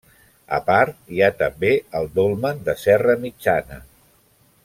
A part, hi ha també el Dolmen de Serra Mitjana.